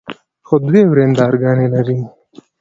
خو دوې ورندرګانې لري.